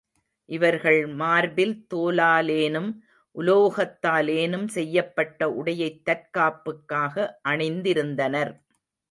இவர்கள் மார்பில் தோலாலேனும், உலோகத்தாலேனும் செய்யப்பட்ட உடையைத் தற்காப்புக்காக அணிந்திருந்தனர்.